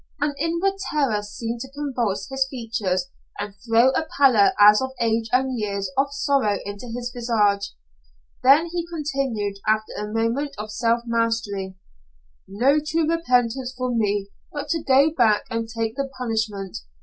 An inward terror seemed to convulse his features and throw a pallor as of age and years of sorrow into his visage. Then he continued, after a moment of self mastery: "No true repentance for me but to go back and take the punishment.